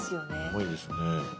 重いですね。